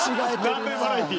南米バラエティ。